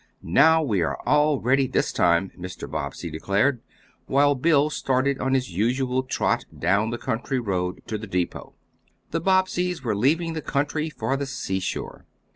"Now we are all ready this time," Mr. Bobbsey declared, while Bill started on his usual trot down the country road to the depot. The Bobbseys were leaving the country for the seashore.